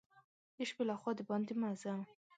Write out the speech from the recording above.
د شپې له خوا دباندي مه ځه !